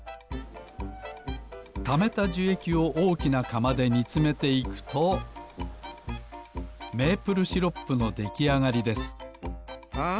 ためたじゅえきをおおきなかまでにつめていくとメープルシロップのできあがりですあ